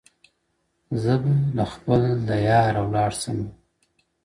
زه به له خپل دياره ولاړ سمه ـ